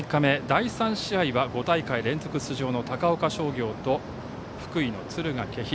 第３試合は５大会連続出場の高岡商業と福井の敦賀気比